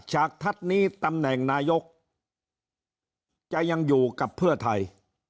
ฉากทัศน์นี้ตำแหน่งนายกจะยังอยู่กับเพื่อไทย